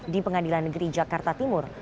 di pengadilan negeri jakarta timur